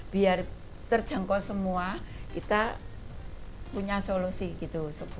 biar terjangkau semua kita punya solusi gitu